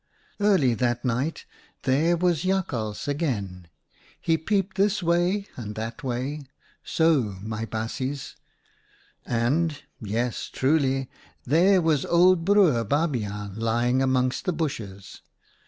" Early that night, there was Jakhals again. He peeped this way and that way — so, my baasjes, — and, yes truly, there was old Broer Babiaan lying amongst the bushes.